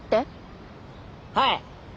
はい！